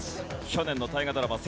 去年の大河ドラマ